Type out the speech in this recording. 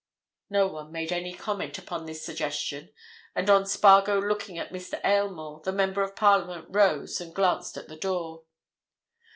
No one made any comment upon this suggestion, and on Spargo looking at Mr. Aylmore, the Member of Parliament rose and glanced at the door.